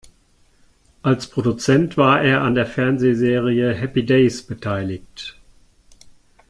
Als Produzent war er an der Fernsehserie "Happy Days" beteiligt.